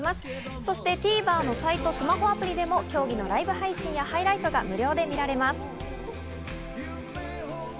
そしてＴＶｅｒのサイト、スマホアプリでも競技のライブ配信やハイライトが無料で見られます。